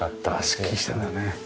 すっきりしてるよね。